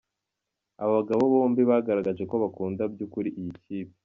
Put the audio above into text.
Aba bagabo bombi, bagaragaje ko bakunda byukuri iyi kipe.